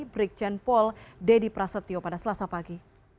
brigjen pol dedy prasetyo pada selasa pagi